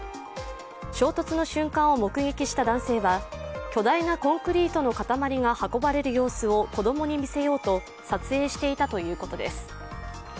衝突の瞬間を目撃した男性は巨大なコンクリートの塊が運ばれる様子を子供に見せようと撮影していたということです。